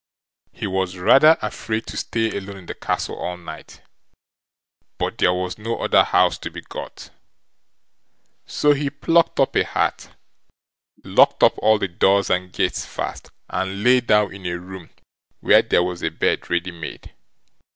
He was rather afraid to stay alone in the castle all night, but there was no other house to be got, so he plucked up a heart, locked up all the doors and gates fast, and lay down in a room where there was a bed ready made.